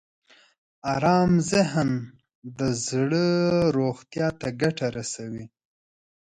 ارام ذهن د زړه روغتیا ته ګټه رسوي.